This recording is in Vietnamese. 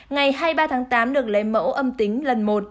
ngày hai mươi ba tháng tám được lấy mẫu âm tính lần một